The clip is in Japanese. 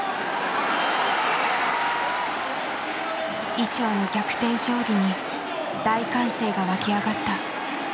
伊調の逆転勝利に大歓声が沸き上がった。